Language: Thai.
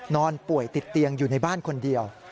นอนป่วยติดเตียงอยู่ในบ้านคนเดียว